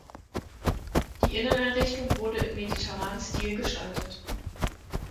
Die Inneneinrichtung wurde im mediterranen Stil gestaltet.